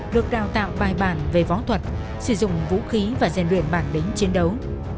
được đào tạo bài bản về võ thuật sử dụng vũ khí và dành luyện bản lĩnh chiến đấu